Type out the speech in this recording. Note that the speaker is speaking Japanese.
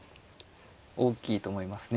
大きいと思いますね。